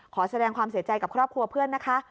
ขอแสดงความเสียใจกับครอบครัวเพื่อนนะคะ